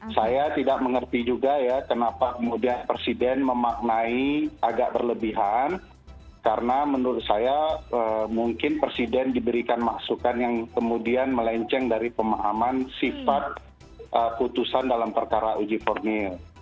saya tidak mengerti juga ya kenapa kemudian presiden memaknai agak berlebihan karena menurut saya mungkin presiden diberikan masukan yang kemudian melenceng dari pemahaman sifat putusan dalam perkara uji formil